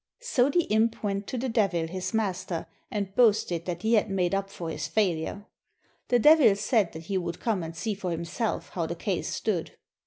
So the imp went to the Devil, his master, and boasted that he had made up for his failure. The Devil said that he would come and see for himself how the case stood.